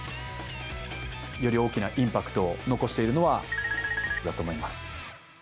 より大きなインパクトを残しているのは×××だと思います。